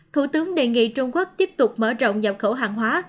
thủ tướng đề nghị trung quốc tiếp tục mở rộng nhập khẩu hàng hóa